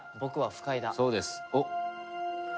そうです。おっ？